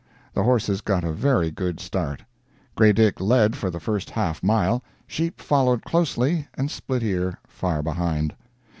The horses got a very good start. "Grey Dick" led for the first half mile, "Sheep" following closely and "Split ear" far behind.